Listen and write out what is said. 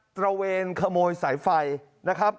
ระเวนขโมยสายไฟนะครับ